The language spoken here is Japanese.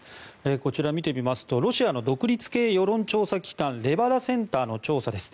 こちら、見てみますとロシアの独立系世論調査機関レバダ・センターの調査です。